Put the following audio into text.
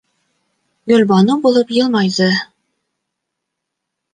Гөлбаныу булып йылмайҙы...